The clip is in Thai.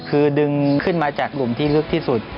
คือดึงขึ้นมาจากหลุมที่ลึกที่สุด